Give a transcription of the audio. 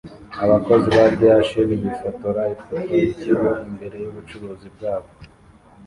Abakozi ba DHL bifotora ifoto yikigo imbere yubucuruzi bwabo